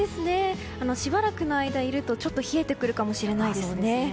しばらくの間いるとちょっと冷えてくるかもしれないですね。